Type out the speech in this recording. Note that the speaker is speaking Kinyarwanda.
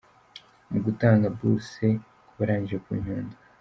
mu gutanga buruse ku barangije ku Nyundo